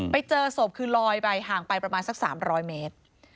ไปเจอศพคือลอยไปห่างไปประมาณสัก๓๐๐เมตร